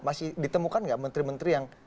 masih ditemukan nggak menteri menteri yang